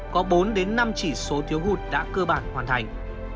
có bốn đến năm chỉ số thiếu hụt đã cơ bản hoàn thành